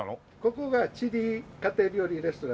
ここがチリ家庭料理レストランです。